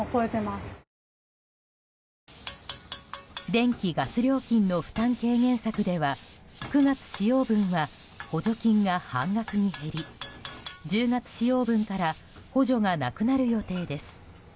電気・ガス料金の負担軽減策では９月使用分は補助金が半額に減り１０月使用分から補助がなくなる予定です。